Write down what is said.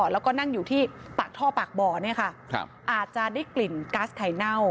แล้วก็นั่งอยู่ที่ปากท่อปากบ่อเนี่ยค่ะอาจจะได้กลิ่นก๊าซไข่เน่า